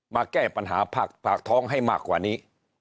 มาแก้ปัญหาปากท้องให้มากกว่านี้